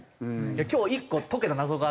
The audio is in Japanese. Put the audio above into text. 今日１個解けた謎があって。